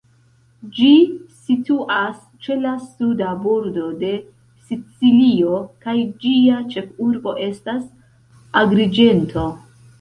Ĝi situas ĉe la suda bordo de Sicilio, kaj ĝia ĉefurbo estas Agriĝento.